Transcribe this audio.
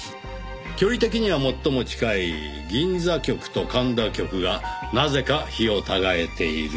距離的には最も近い銀座局と神田局がなぜか日を違えている。